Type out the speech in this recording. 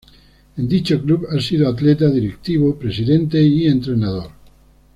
En dicho Club ha sido Atleta, Directivo, Presidente y Entrenador.